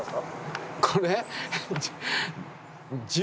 これ？